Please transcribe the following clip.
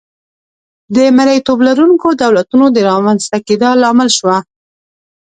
د مریتوب لرونکو دولتونو د رامنځته کېدا لامل شوه.